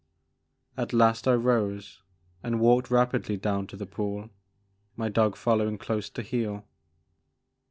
At last I rose and walked rapidly down to the pool, my dog following close to heel.